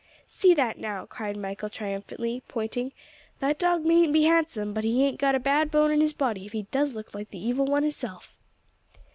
"See that now," cried Michael triumphantly, pointing, "that dog mayn't be handsome, but he hain't got a bad bone in his body, if he does look like the Evil One hisself."